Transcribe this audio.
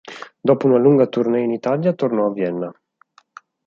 Dopo una lunga tournée in Italia, tornò a Vienna.